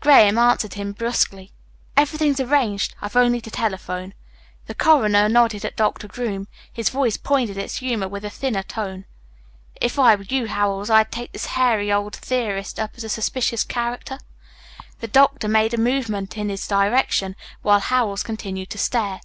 Graham answered him brusquely. "Everything's arranged. I've only to telephone." The coroner nodded at Doctor Groom. His voice pointed its humour with a thinner tone. "If I were you, Howells, I'd take this hairy old theorist up as a suspicious character." The doctor made a movement in his direction while Howells continued to stare.